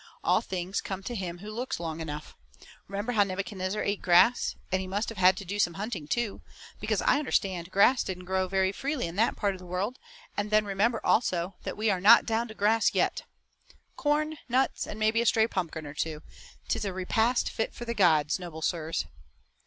All things come to him who looks long enough. Remember how Nebuchadnezzar ate grass, and he must have had to do some hunting too, because I understand grass didn't grow very freely in that part of the world, and then remember also that we are not down to grass yet. Corn, nuts and maybe a stray pumpkin or two. 'Tis a repast fit for the gods, noble sirs."